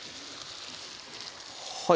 はい。